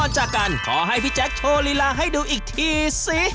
จากกันขอให้พี่แจ๊คโชว์ลีลาให้ดูอีกทีซิ